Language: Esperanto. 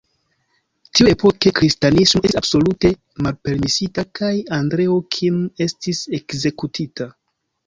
Tiuepoke kristanismo estis absolute malpermesita kaj Andreo Kim estis ekzekutita.